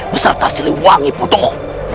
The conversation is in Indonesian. beserta silih wangi putuh